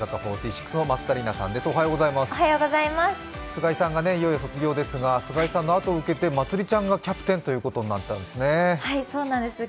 菅井さんがいよいよ卒業ですが、菅井さんの後を受けてまつりちゃんがキャプテンということになったんですね。